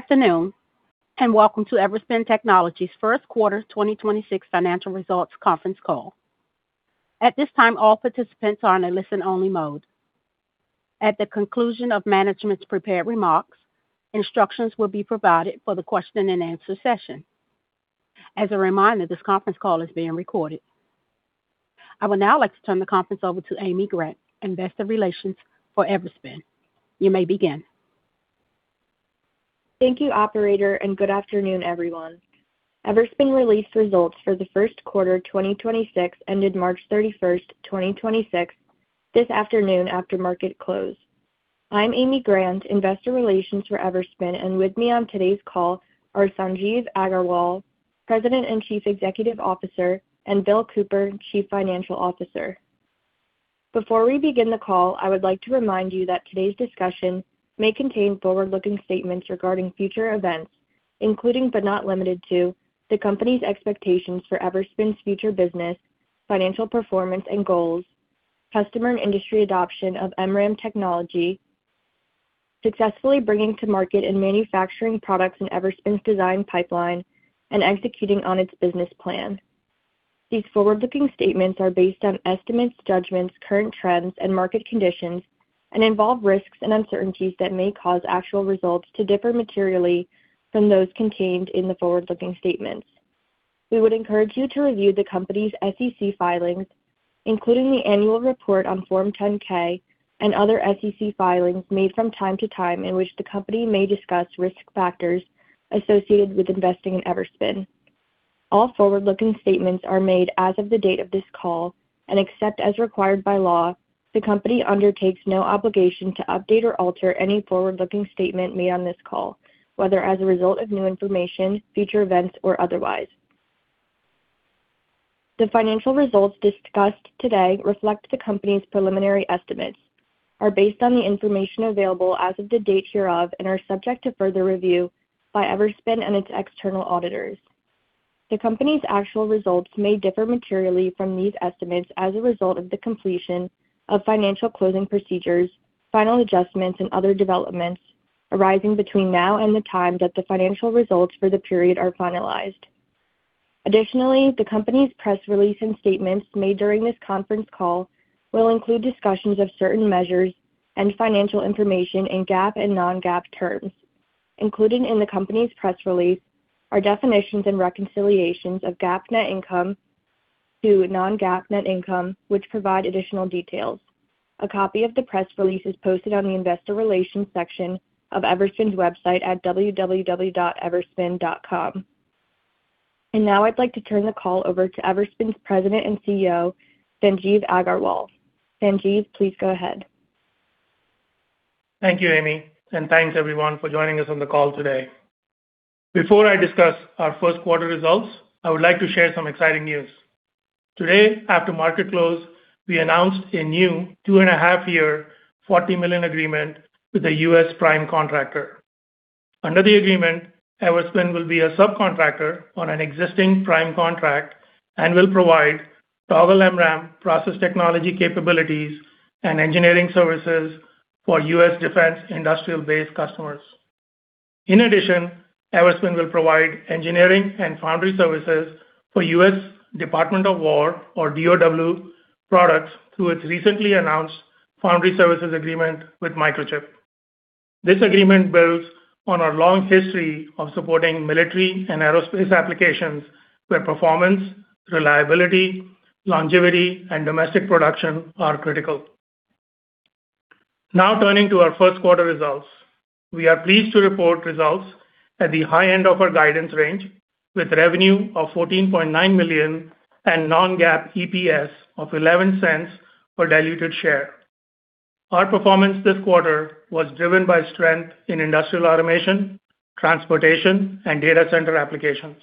Afternoon, and welcome to Everspin Technologies' first quarter 2026 financial results conference call. At this time, all participants are in a listen-only mode. At the conclusion of management's prepared remarks, instructions will be provided for the question-and-answer session. As a reminder, this conference call is being recorded. I would now like to turn the conference over to Amy Farrow, Investor Relations for Everspin. You may begin. Thank you, operator, and good afternoon, everyone. Everspin released results for the first quarter 2026 ended 31st March 2026 this afternoon after market close. I'm Amy Farrow, Investor Relations for Everspin. With me on today's call are Sanjeev Aggarwal, President and Chief Executive Officer, and Bill Cooper, Chief Financial Officer. Before we begin the call, I would like to remind you that today's discussion may contain forward-looking statements regarding future events, including, but not limited to, the Company's expectations for Everspin's future business, financial performance and goals, customer and industry adoption of MRAM technology, successfully bringing to market and manufacturing products in Everspin's design pipeline, and executing on its business plan. These forward-looking statements are based on estimates, judgments, current trends, and market conditions and involve risks and uncertainties that may cause actual results to differ materially from those contained in the forward-looking statements. We would encourage you to review the Company's SEC filings, including the annual report on Form 10-K and other SEC filings made from time to time in which the Company may discuss risk factors associated with investing in Everspin. All forward-looking statements are made as of the date of this call, and except as required by law, the Company undertakes no obligation to update or alter any forward-looking statement made on this call, whether as a result of new information, future events, or otherwise. The financial results discussed today reflect the Company's preliminary estimates, are based on the information available as of the date hereof, and are subject to further review by Everspin and its external auditors. The Company's actual results may differ materially from these estimates as a result of the completion of financial closing procedures, final adjustments, and other developments arising between now and the time that the financial results for the period are finalized. Additionally, the Company's press release and statements made during this conference call will include discussions of certain measures and financial information in GAAP and non-GAAP terms. Included in the Company's press release are definitions and reconciliations of GAAP net income to non-GAAP net income, which provide additional details. A copy of the press release is posted on the Investor Relations section of Everspin's website at www.everspin.com. Now I'd like to turn the call over to Everspin's President and CEO, Sanjeev Aggarwal. Sanjeev, please go ahead. Thank you, Amy, and thanks everyone for joining us on the call today. Before I discuss our first quarter results, I would like to share some exciting news. Today, after market close, we announced a new two-and-a-half year, $40 million agreement with a U.S. prime contractor. Under the agreement, Everspin will be a subcontractor on an existing prime contract and will provide Toggle MRAM process technology capabilities and engineering services for U.S. defense industrial-based customers. In addition, Everspin will provide engineering and foundry services for U.S. Department of War, or DOW, products through its recently announced foundry services agreement with Microchip. This agreement builds on our long history of supporting military and aerospace applications where performance, reliability, longevity, and domestic production are critical. Now turning to our first quarter results. We are pleased to report results at the high end of our guidance range with revenue of $14.9 million and non-GAAP EPS of $0.11 per diluted share. Our performance this quarter was driven by strength in industrial automation, transportation, and data center applications.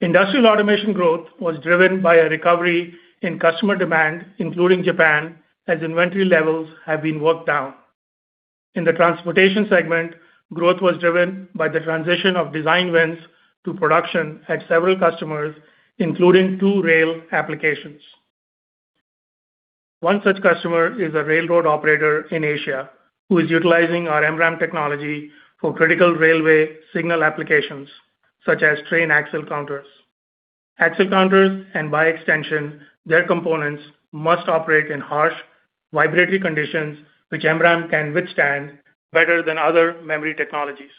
Industrial automation growth was driven by a recovery in customer demand, including Japan, as inventory levels have been worked down. In the transportation segment, growth was driven by the transition of design wins to production at several customers, including two rail applications. One such customer is a railroad operator in Asia who is utilizing our MRAM technology for critical railway signal applications, such as train axle counters. Axle counters, and by extension their components, must operate in harsh vibratory conditions which MRAM can withstand better than other memory technologies.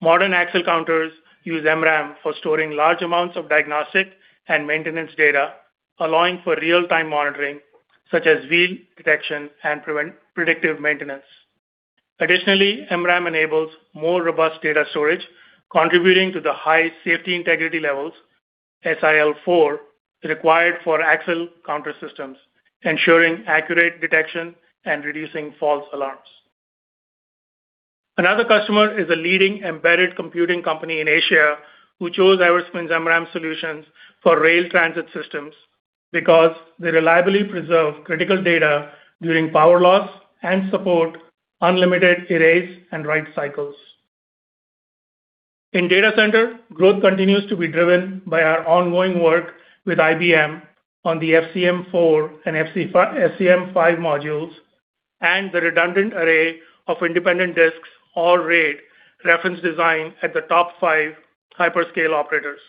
Modern axle counters use MRAM for storing large amounts of diagnostic and maintenance data, allowing for real-time monitoring, such as wheel detection and predictive maintenance. Additionally, MRAM enables more robust data storage, contributing to the high safety integrity levels, SIL four, required for axle counter systems, ensuring accurate detection and reducing false alarms. Another customer is a leading embedded computing company in Asia who chose Everspin's MRAM solutions for rail transit systems because they reliably preserve critical data during power loss and support unlimited erase and write cycles. In data center, growth continues to be driven by our ongoing work with IBM on the FCM4 and FCM5 modules and the redundant array of independent disks or RAID reference design at the top five hyperscale operators.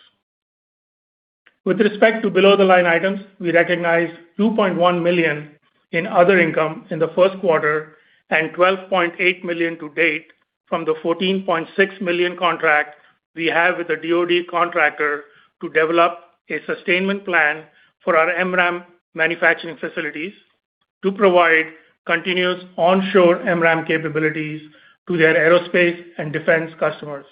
With respect to below-the-line items, we recognized $2.1 million in other income in the first quarter and $12.8 million to date from the $14.6 million contract we have with the DoD contractor to develop a sustainment plan for our MRAM manufacturing facilities to provide continuous onshore MRAM capabilities to their aerospace and defense customers.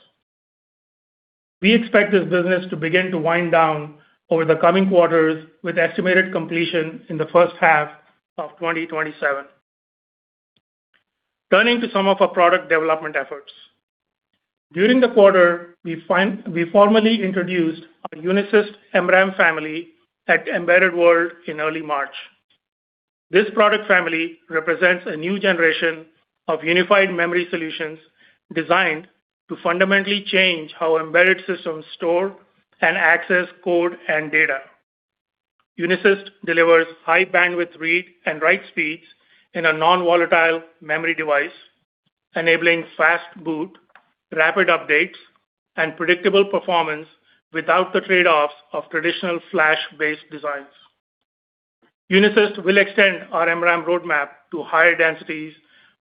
We expect this business to begin to wind down over the coming quarters with estimated completion in the first half of 2027. Turning to some of our product development efforts. During the quarter, we formally introduced our UNISYST MRAM family at Embedded World in early March. This product family represents a new generation of unified memory solutions designed to fundamentally change how embedded systems store and access code and data. UNISYST delivers high bandwidth read and write speeds in a non-volatile memory device, enabling fast boot, rapid updates, and predictable performance without the trade-offs of traditional flash-based designs. UNISYST will extend our MRAM roadmap to higher densities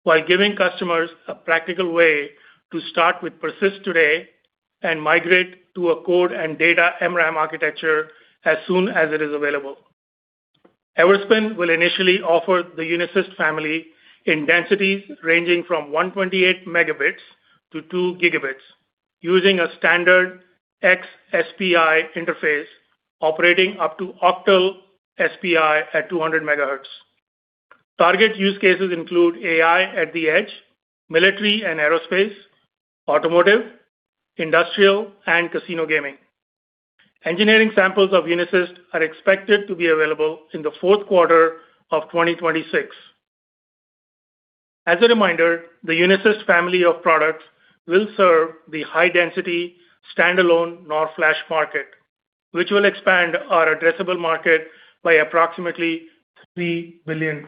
while giving customers a practical way to start with PERSYST today and migrate to a code and data MRAM architecture as soon as it is available. Everspin will initially offer the UNISYST family in densities ranging from 128 Mb to two gigabits using a standard XSPI interface operating up to octal SPI at 200 megahertz. Target use cases include AI at the edge, military and aerospace, automotive, industrial, and casino gaming. Engineering samples of UNISYST are expected to be available in the fourth quarter of 2026. As a reminder, the UNISYST family of products will serve the high-density standalone NOR flash market, which will expand our addressable market by approximately $3 billion.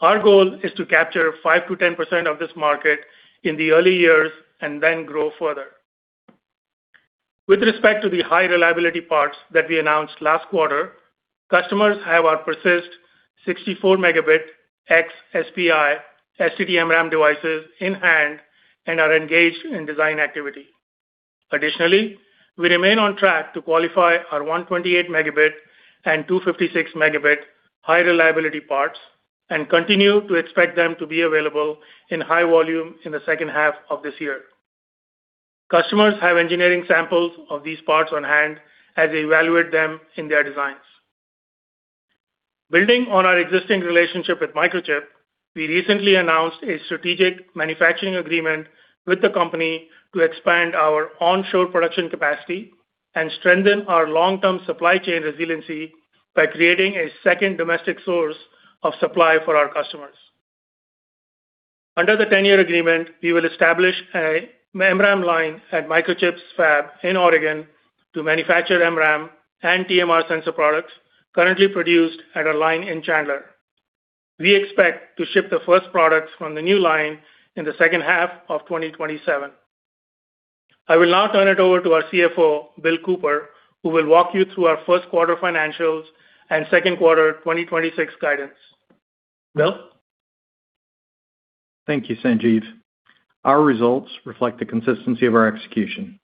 Our goal is to capture 5%-10% of this market in the early years and then grow further. With respect to the high reliability parts that we announced last quarter, customers have our PERSYST 64 Mb XSPI STT-MRAM devices in hand and are engaged in design activity. Additionally, we remain on track to qualify our 128 Mb and 256 Mb high reliability parts and continue to expect them to be available in high volume in the second half of this year. Customers have engineering samples of these parts on hand as they evaluate them in their designs. Building on our existing relationship with Microchip, we recently announced a strategic manufacturing agreement with the company to expand our onshore production capacity and strengthen our long-term supply chain resiliency by creating a second domestic source of supply for our customers. Under the 10-year agreement, we will establish a MRAM line at Microchip's fab in Oregon to manufacture MRAM and TMR sensor products currently produced at our line in Chandler. We expect to ship the first products from the new line in the second half of 2027. I will now turn it over to our CFO, Bill Cooper, who will walk you through our first quarter financials and second quarter 2026 guidance. Bill? Thank you, Sanjeev. Our results reflect the consistency of our execution.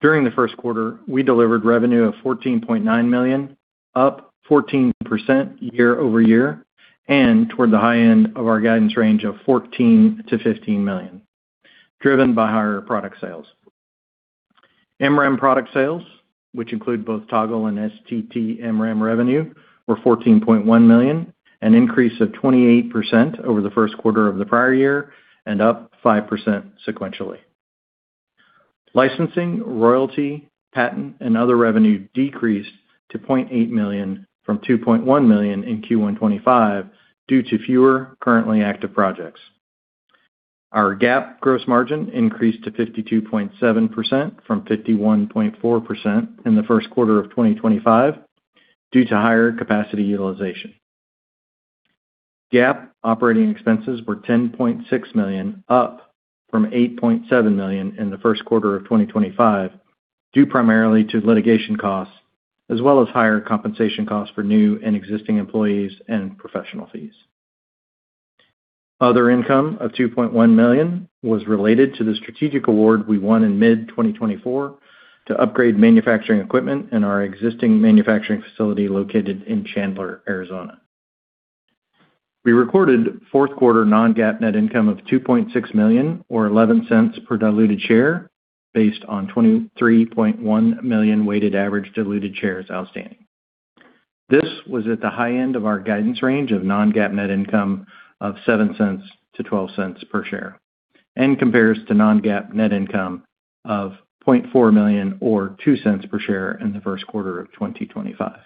During the first quarter, we delivered revenue of $14.9 million, up 14% year-over-year, and toward the high end of our guidance range of $14 million-$15 million, driven by higher product sales. MRAM product sales, which include both Toggle and STT MRAM revenue, were $14.1 million, an increase of 28% over the first quarter of the prior year and up 5% sequentially. Licensing, royalty, patent, and other revenue decreased to $0.8 million from $2.1 million in Q1 2025 due to fewer currently active projects. Our GAAP gross margin increased to 52.7% from 51.4% in the first quarter of 2025 due to higher capacity utilization. GAAP operating expenses were $10.6 million, up from $8.7 million in the first quarter of 2025, due primarily to litigation costs as well as higher compensation costs for new and existing employees and professional fees. Other income of $2.1 million was related to the strategic award we won in mid-2024 to upgrade manufacturing equipment in our existing manufacturing facility located in Chandler, Arizona. We recorded fourth quarter non-GAAP net income of $2.6 million or $0.11 per diluted share based on 23.1 million weighted average diluted shares outstanding. This was at the high end of our guidance range of non-GAAP net income of $0.07-$0.12 per share and compares to non-GAAP net income of $0.4 million or $0.02 per share in the first quarter of 2025.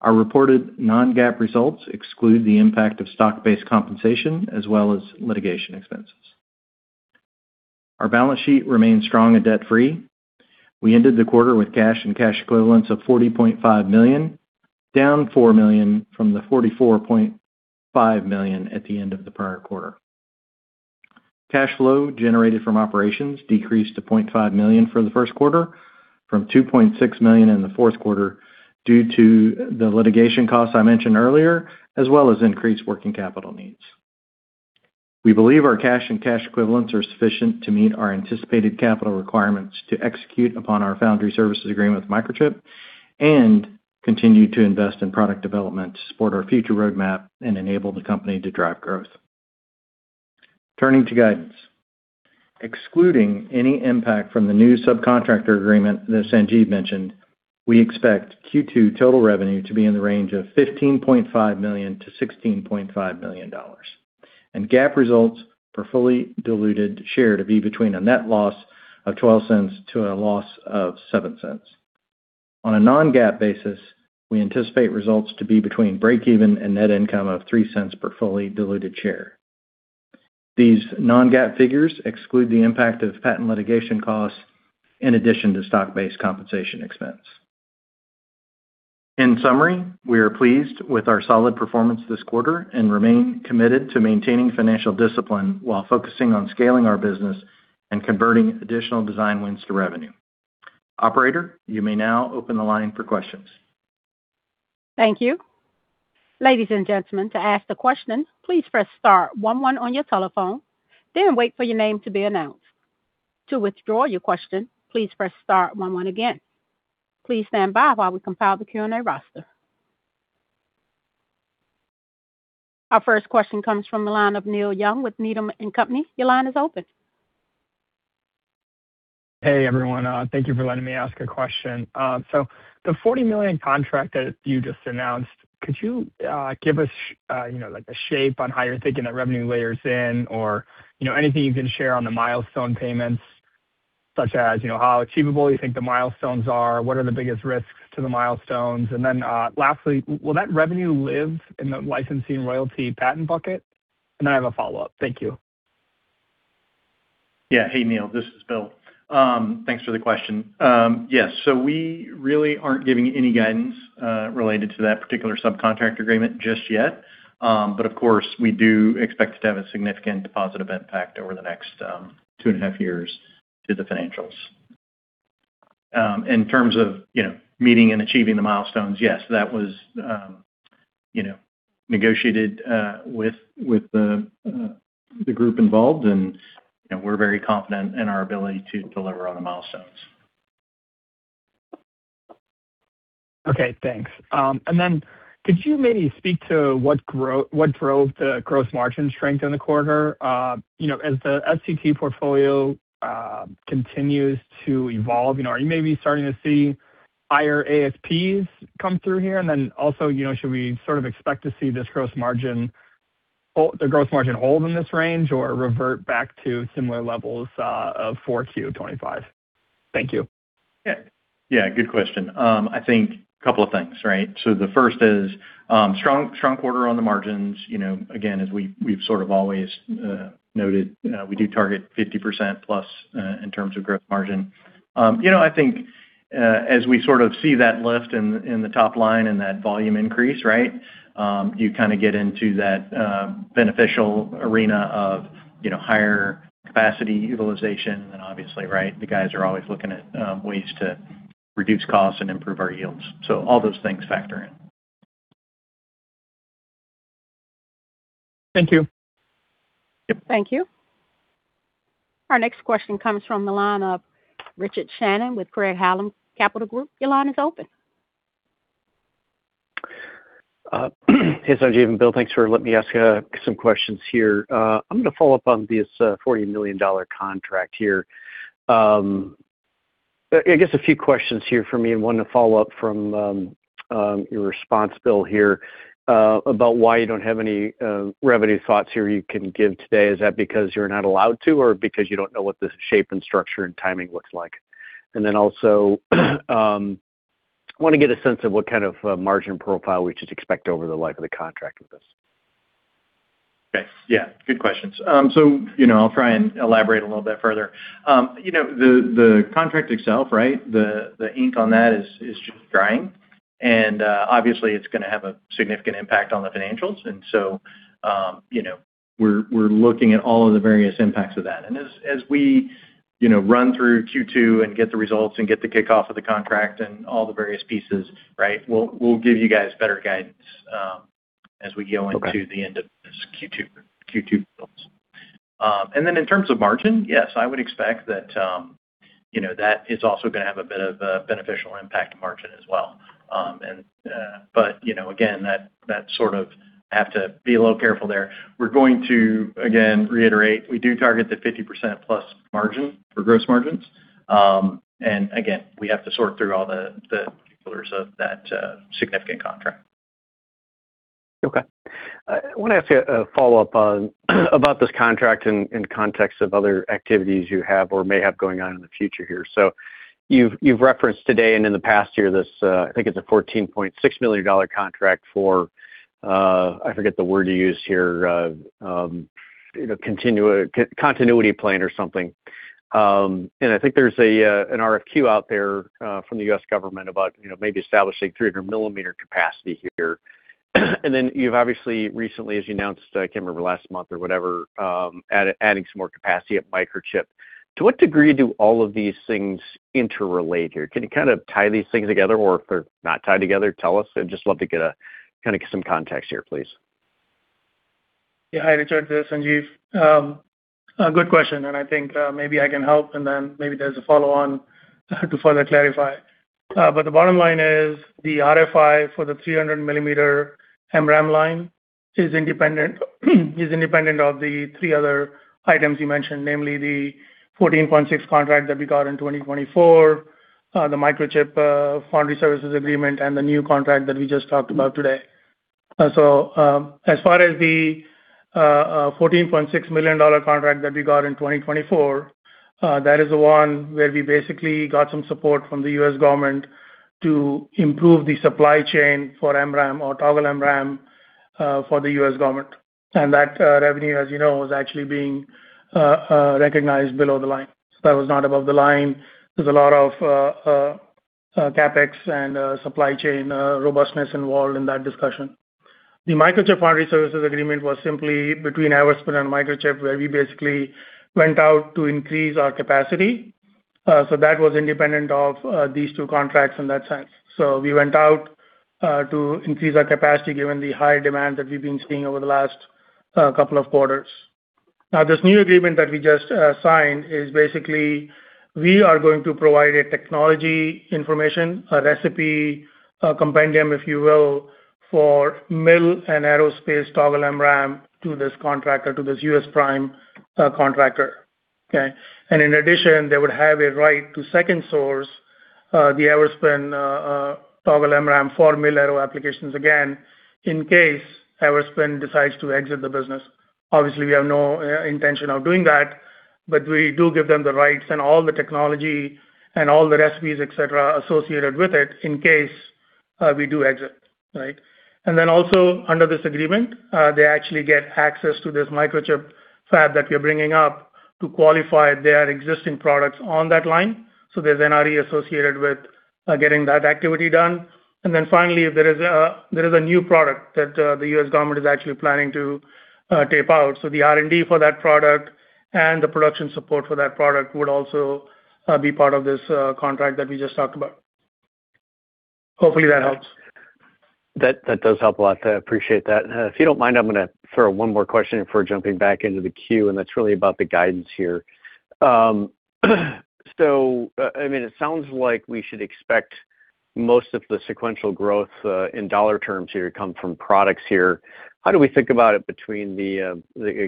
Our reported non-GAAP results exclude the impact of stock-based compensation as well as litigation expenses. Our balance sheet remains strong and debt-free. We ended the quarter with cash and cash equivalents of $40.5 million, down $4 million from the $44.5 million at the end of the prior quarter. Cash flow generated from operations decreased to $0.5 million for the first quarter from $2.6 million in the fourth quarter due to the litigation costs I mentioned earlier, as well as increased working capital needs. We believe our cash and cash equivalents are sufficient to meet our anticipated capital requirements to execute upon our foundry services agreement with Microchip Technology and continue to invest in product development to support our future roadmap and enable the company to drive growth. Turning to guidance. Excluding any impact from the new subcontractor agreement that Sanjeev mentioned, we expect Q2 total revenue to be in the range of $15.5 million-$16.5 million. GAAP results per fully diluted share to be between a net loss of $0.12 to a loss of $0.07. On a non-GAAP basis, we anticipate results to be between breakeven and net income of $0.03 per fully diluted share. These non-GAAP figures exclude the impact of patent litigation costs in addition to stock-based compensation expense. In summary, we are pleased with our solid performance this quarter and remain committed to maintaining financial discipline while focusing on scaling our business and converting additional design wins to revenue. Operator, you may now open the line for questions. Thank you. Ladies and gentlemen, to ask the question, please press star one one on your telephone, then wait for your name to be announced. To withdraw your question, please Press Star one one again. Please stand by while we compile the Q&A roster. Our first question comes from the line of Neil Young with Needham & Company. Your line is open. Hey, everyone. Thank you for letting me ask a question. The $40 million contract that you just announced, could you give us, you know, like, a shape on how you're thinking that revenue layers in or, you know, anything you can share on the milestone payments, such as, you know, how achievable you think the milestones are? What are the biggest risks to the milestones? Lastly, will that revenue live in the licensing royalty patent bucket? I have a follow-up. Thank you. Hey, Neil. This is Bill. Thanks for the question. Yes. We really aren't giving any guidance related to that particular subcontract agreement just yet. Of course, we do expect it to have a significant positive impact over the next 2.5 years to the financials. In terms of, you know, meeting and achieving the milestones, yes, that was, you know, negotiated with the group involved, and, you know, we're very confident in our ability to deliver on the milestones. Okay. Thanks. Could you maybe speak to what drove the gross margin strength in the quarter? You know, as the STT portfolio continues to evolve, you know, are you maybe starting to see higher ASPs come through here? Also, you know, should we sort of expect to see the gross margin hold in this range or revert back to similar levels of 4Q 2025? Thank you. Yeah, good question. I think a couple of things, right? The first is a strong quarter on the margins. You know, again, as we've sort of always noted, we do target 50% plus in terms of gross margin. You know, I think, as we sort of see that lift in the top line and that volume increase, right, you kind of get into that beneficial arena of, you know, higher capacity utilization. Obviously, right, the guys are always looking at ways to reduce costs and improve our yields. All those things factor in. Thank you. Thank you. Our next question comes from the line of Richard Shannon with Craig-Hallum Capital Group. Your line is open. Hey, Sanjeev and Bill. Thanks for letting me ask some questions here. I'm gonna follow up on this $40 million contract here. I guess a few questions here for me and one to follow up from your response, Bill, here, about why you don't have any revenue thoughts here you can give today. Is that because you're not allowed to or because you don't know what the shape and structure and timing looks like? Then also, wanna get a sense of what kind of margin profile we should expect over the life of the contract with this. Okay. Yeah, good questions. You know, I'll try and elaborate a little bit further. You know, the contract itself, right? The, the ink on that is just drying. Obviously, it's gonna have a significant impact on the financials. You know, we're looking at all of the various impacts of that. As, as we, you know, run through Q2 and get the results and get the kickoff of the contract and all the various pieces, right, we'll give you guys better guidance, as we go into the end of this Q2 results. Then in terms of margin, yes, I would expect that, you know, that is also gonna have a bit of a beneficial impact to margin as well. You know, again, that sort of have to be a little careful there. We're going to, again, reiterate, we do target the 50% plus margin for gross margins. Again, we have to sort through all the particulars of that significant contract. I want to ask you a follow-up on about this contract in context of other activities you have or may have going on in the future here. You've referenced today and in the past year, this, I think it's a $14.6 million contract for, I forget the word you used here, you know, co-continuity plan or something. I think there's an RFQ out there from the U.S. government about, you know, maybe establishing 300 millimeter capacity here. You've obviously recently, as you announced, I can't remember, last month or whatever, adding some more capacity at Microchip. To what degree do all of these things interrelate here? Can you kind of tie these things together? If they're not tied together, tell us. I'd just love to get a kind of some context here, please. Yeah, hi, Richard. This is Sanjeev. A good question, and I think maybe I can help, and then maybe there's a follow-on to further clarify. The bottom line is the RFI for the 300 millimeter MRAM line is independent of the three other items you mentioned, namely the $14.6 contract that we got in 2024, the Microchip foundry services agreement, and the new contract that we just talked about today. As far as the $14.6 million contract that we got in 2024, that is the one where we basically got some support from the U.S. government to improve the supply chain for MRAM or Toggle MRAM for the U.S. government. That revenue, as you know, was actually being recognized below the line. That was not above the line. There's a lot of CapEx and supply chain robustness involved in that discussion. The Microchip Foundry Services Agreement was simply between Everspin and Microchip, where we basically went out to increase our capacity. That was independent of these two contracts in that sense. We went out to increase our capacity given the high demand that we've been seeing over the last couple of quarters. Now, this new agreement that we just signed is basically we are going to provide a technology information, a recipe, a compendium, if you will, for mil and aerospace Toggle MRAM to this contractor, to this U.S. prime contractor. Okay? In addition, they would have a right to second source the Everspin Toggle MRAM for mil-aero applications again in case Everspin decides to exit the business. Obviously, we have no intention of doing that, but we do give them the rights and all the technology and all the recipes, et cetera, associated with it in case we do exit, right? Also under this agreement, they actually get access to this Microchip Technology fab that we're bringing up to qualify their existing products on that line. There's NRE associated with getting that activity done. Finally, there is a new product that the U.S. government is actually planning to tape out. The R&D for that product and the production support for that product would also be part of this contract that we just talked about. Hopefully, that helps. That does help a lot. I appreciate that. If you don't mind, I'm gonna throw one more question before jumping back into the queue, and that's really about the guidance here. I mean, it sounds like we should expect most of the sequential growth in dollar terms here to come from products here. How do we think about it between the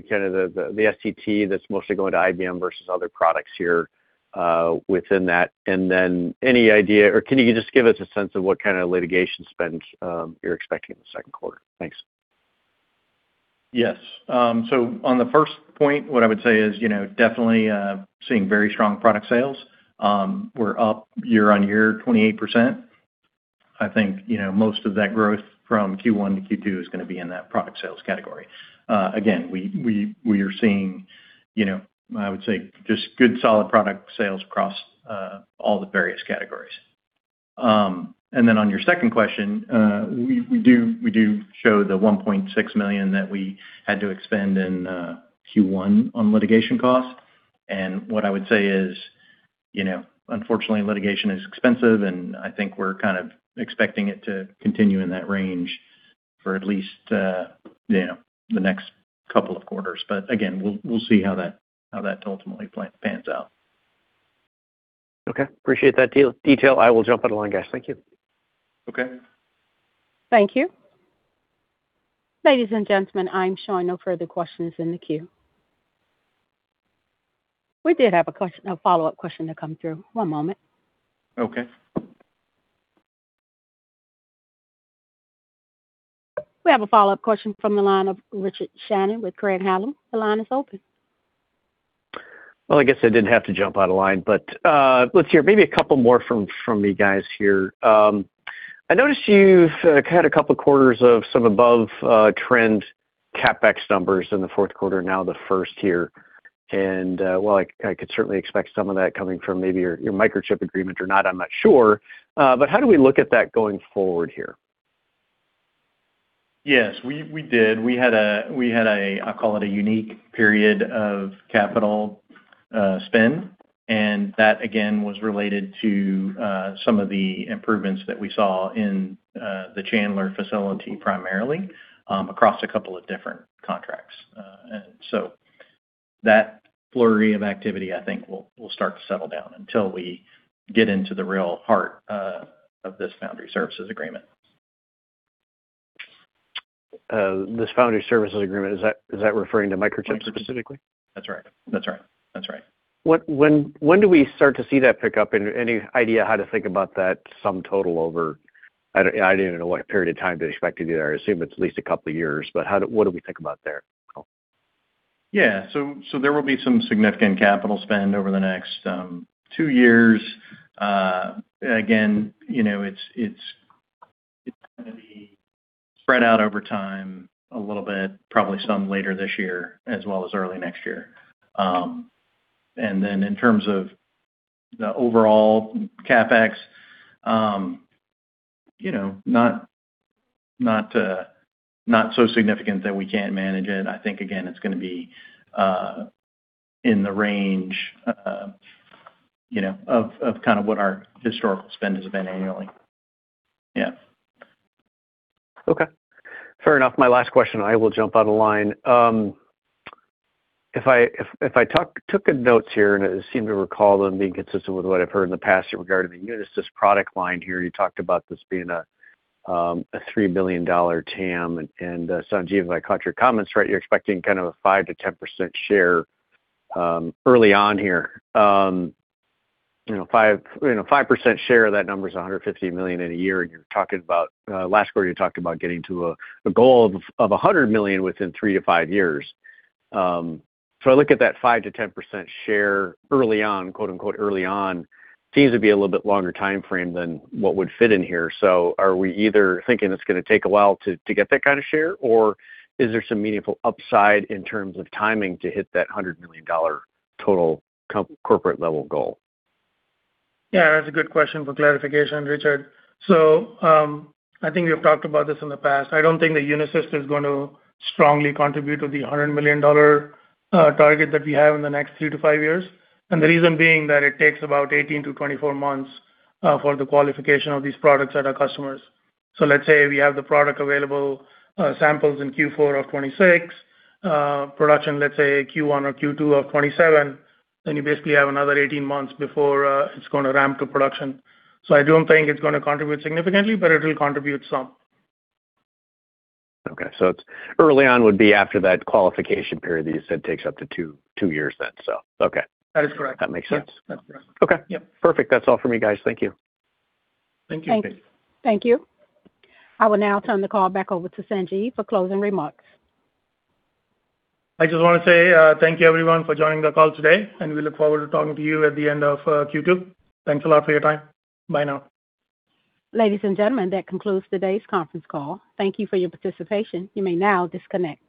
kind of the STT that's mostly going to IBM versus other products here within that? Any idea or can you just give us a sense of what kind of litigation spend you're expecting in the second quarter? Thanks. Yes. On the first point, what I would say is, you know, definitely, seeing very strong product sales. We're up year-on-year 28%. I think, you know, most of that growth from Q1-Q2 is gonna be in that product sales category. Again, we are seeing, you know, I would say just good solid product sales across all the various categories. On your second question, we do show the $1.6 million that we had to expend in Q1 on litigation costs. What I would say is, you know, unfortunately, litigation is expensive, and I think we're kind of expecting it to continue in that range for at least, you know, the next couple of quarters. Again, we'll see how that ultimately pans out. Okay. Appreciate that detail. I will jump out of line, guys. Thank you. Okay. Thank you. Ladies and gentlemen, I am showing no further questions in the queue. We did have a question, a follow-up question to come through. One moment. Okay. We have a follow-up question from the line of Richard Shannon with Craig-Hallum. The line is open. I guess I didn't have to jump out of line, let's hear maybe two more from you guys here. I noticed you've had two quarters of some above trend CapEx numbers in the fourth quarter, now the first here. While I could certainly expect some of that coming from maybe your Microchip agreement or not, I'm not sure. How do we look at that going forward here? Yes, we did. We had a, I'll call it a unique period of capital spend, that again, was related to some of the improvements that we saw in the Chandler facility primarily, across a couple of different contracts. That flurry of activity, I think will start to settle down until we get into the real heart of this foundry services agreement. This foundry services agreement, is that referring to Microchip specifically? That's right. That's right. That's right. When do we start to see that pick up? Any idea how to think about that sum total over, I don't even know what period of time to expect it to do there. I assume it's at least a couple of years, but what do we think about there? There will be some significant capital spend over the next two years. Again, you know, it's gonna be spread out over time a little bit, probably some later this year as well as early next year. In terms of the overall CapEx, you know, not so significant that we can't manage it. I think, again, it's gonna be in the range, you know, of kind of what our historical spend has been annually. Okay. Fair enough. My last question, I will jump on the line. If I took notes here, I seem to recall them being consistent with what I've heard in the past in regard to the UNISYST product line here, you talked about this being a $3 billion TAM. Sanjeev, if I caught your comments right, you're expecting kind of a 5%-10% share early on here. You know, 5% share of that number is $150 million in a year, and you're talking about last quarter you talked about getting to a goal of $100 million within 3-5 years. I look at that 5%-10% share early on, quote, unquote, early on, seems to be a little bit longer timeframe than what would fit in here. Are we either thinking it's gonna take a while to get that kind of share, or is there some meaningful upside in terms of timing to hit that $100 million total corporate level goal? Yeah, that's a good question for clarification, Richard. I think we've talked about this in the past. I don't think that UNISYST is gonna strongly contribute to the $100 million target that we have in the next 3-5 years. The reason being that it takes about 18-24 months for the qualification of these products at our customers. Let's say we have the product available, samples in Q4 of 2026, production, let's say Q1 or Q2 of 2027, then you basically have another 18 months before it's gonna ramp to production. I don't think it's gonna contribute significantly, but it will contribute some. Okay. It's early on would be after that qualification period that you said takes up to two years then, so okay. That is correct. That makes sense. Yeah. That's correct. Okay. Yeah. Perfect. That's all for me, guys. Thank you. Thank you. Thanks. Thank you. I will now turn the call back over to Sanjeev for closing remarks. I just wanna say, thank you everyone for joining the call today, and we look forward to talking to you at the end of Q2. Thanks a lot for your time. Bye now. Ladies and gentlemen, that concludes today's Conference Call. Thank you for your participation. You may now disconnect.